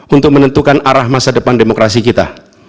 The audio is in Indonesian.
untuk menentukan arah masa depan demokrasi kita